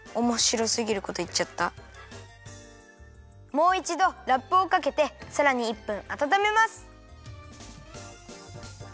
もういちどラップをかけてさらに１分あたためます。